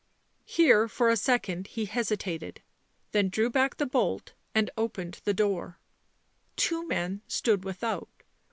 Here for a second he hesitated, then drew back the bolt and opened the door. Two men stood without.